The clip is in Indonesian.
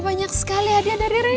banyak sekali hadiah dari reinhar